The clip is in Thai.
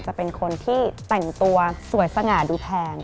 จะเป็นคนที่แต่งตัวสวยสง่าดูแทน